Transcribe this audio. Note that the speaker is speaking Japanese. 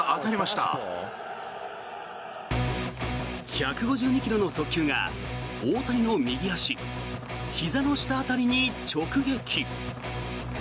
１５２ｋｍの速球が大谷の右足ひざの下辺りに直撃。